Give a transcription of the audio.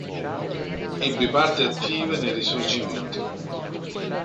Ebbe parte attiva nel Risorgimento.